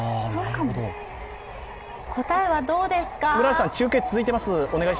答えはどうですか？